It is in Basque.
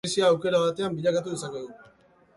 Krisia aukera batean bilakatu dezakegu.